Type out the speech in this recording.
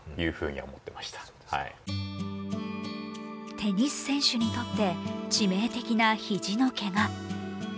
テニス選手にとって致命的な肘のけが。